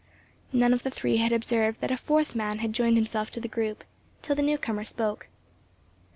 None of the three had observed that a fourth man had joined himself to the group, till the newcomer spoke.